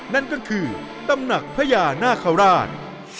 นั่นก็คือตำหนักพญานาคาราช